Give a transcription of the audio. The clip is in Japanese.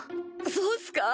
そうっすか？